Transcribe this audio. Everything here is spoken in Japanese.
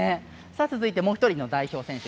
続いてもう１人の代表選手。